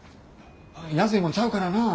安いもんちゃうからな。